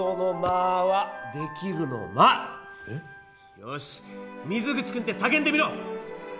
よし水口くんってさけんでみろ！